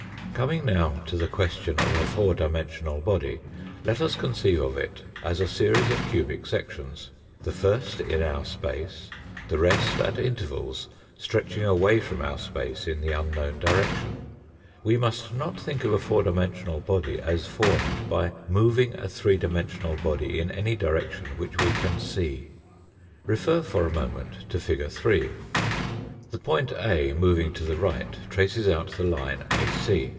Coming now to the question of a four dimensional body, let us conceive of it as a series of cubic sections, the first in our space, the rest at intervals, stretching away from our space in the unknown direction. We must not think of a four dimensional body as formed by moving a three dimensional body in any direction which we can see. Refer for a moment to Fig. 3. The point A, moving to the right, traces out the line AC.